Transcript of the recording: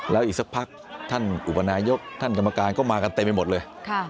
แล้วอีกสักพักท่านอุปนายกท่านกรรมการก็มากันเต็มไปหมดเลย